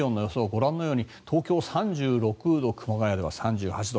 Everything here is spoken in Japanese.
ご覧のように東京３６度熊谷では３８度。